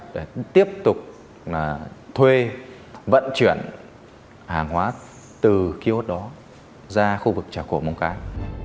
để tiếp tục thuê vận chuyển hàng hóa từ ký ốt đó ra khu vực trà cổ mông cái